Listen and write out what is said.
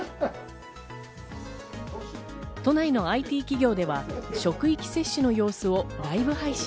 都内のＩＴ企業では職域接種の様子をライブ配信。